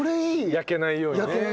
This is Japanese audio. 焼けないようにね。